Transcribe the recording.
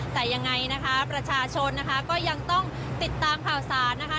แต่ยังไงนะคะประชาชนนะคะก็ยังต้องติดตามข่าวสารนะคะ